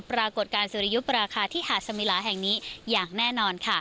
ปรากฏการณ์สุรยพราคาที่หัสมิลาแห่งนี้แน่นอน